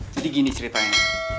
jadi gini ceritanya